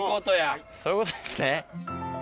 そういうことですね。